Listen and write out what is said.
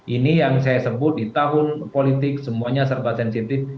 ini yang saya sebut di tahun politik semuanya serba sensitif